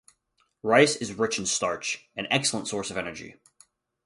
Rice is rich in starch, an excellent source of energy.